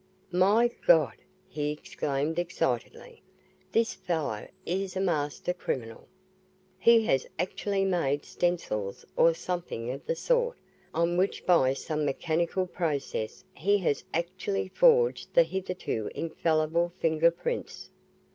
"My God!" he exclaimed excitedly, "this fellow is a master criminal! He has actually made stencils or something of the sort on which by some mechanical process he has actually forged the hitherto infallible finger prints!"